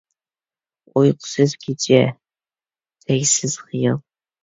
ئۇيقۇسىز كېچە تەگسىز خىيال!